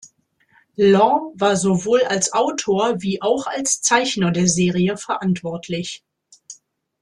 Law war sowohl als Autor wie auch als Zeichner der Serie verantwortlich.